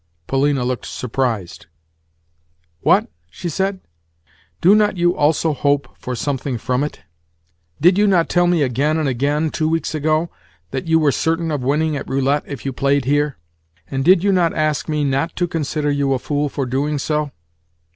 Polina looked surprised. "What?" she said. "Do not you also hope something from it? Did you not tell me again and again, two weeks ago, that you were certain of winning at roulette if you played here? And did you not ask me not to consider you a fool for doing so?